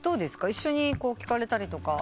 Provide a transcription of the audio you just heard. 一緒に聞かれたりとか？